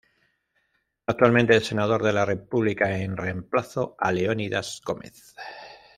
Actualmente es Senador de la República en reemplazo a Leonidas Gómez.